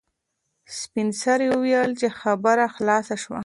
سپین سرې وویل چې خبره خلاصه شوه.